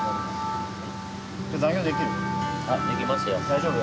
大丈夫？